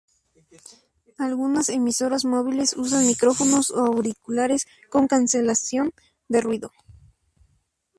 Algunas emisoras móviles usan micrófonos o auriculares con cancelación de ruido.